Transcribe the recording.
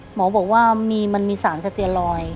หมอบอกว่ามันมีสารสเตียนลอย